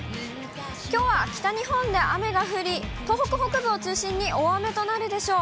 きょうは北日本で雨が降り、東北北部を中心に大雨となるでしょう。